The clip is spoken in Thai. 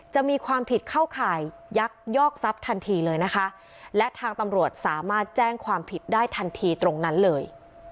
จะมีความผิดเข้าข่ายยักยอกทรัพย์ทันทีเลยนะคะและทางตำรวจสามารถแจ้งความผิดได้ทันทีตรงนั้นเลย